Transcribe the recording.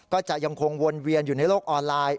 ก็จะยังคงวนเวียนอยู่ในโลกออนไลน์